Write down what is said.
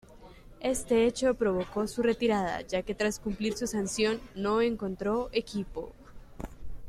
Este hecho provocó su retirada ya que tras cumplir su sanción no encontró equipo.